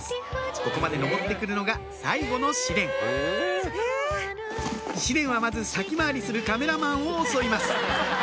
ここまで登って来るのが最後の試練試練はまず先回りするカメラマンを襲います